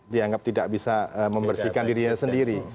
dianggap tidak bisa membersihkan dirinya sendiri